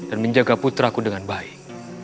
dan menjaga putraku dengan baik